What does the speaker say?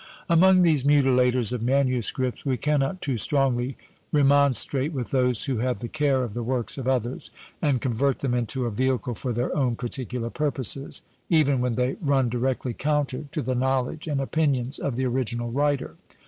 Among these mutilators of manuscripts we cannot too strongly remonstrate with those who have the care of the works of others, and convert them into a vehicle for their own particular purposes, even when they run directly counter to the knowledge and opinions of the original writer.